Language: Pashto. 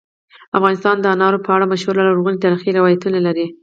افغانستان د انارو په اړه مشهور او لرغوني تاریخی روایتونه لري.